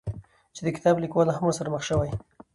چې د کتاب ليکوال هم ورسره مخ شوى،